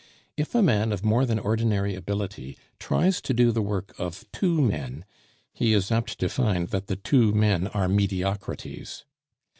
If a man of more than ordinary ability tries to do the work of two men, he is apt to find that the two men are mediocrities.